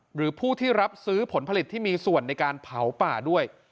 หรือผู้ที่รับซื้อผลผลิตที่มีส่วนในการเผาป่าด้วย